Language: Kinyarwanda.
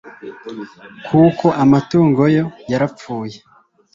kuko amatungo yo yarapfuye.